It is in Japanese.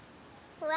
うわ！